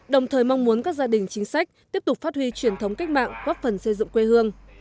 đồng thời mong muốn các gia đình chính sách tiếp tục phát huy truyền thống cách mạng góp phần xây dựng quê hương